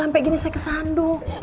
sampai gini saya kesanduk